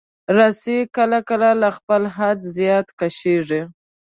رسۍ کله کله له خپل حده زیات کشېږي.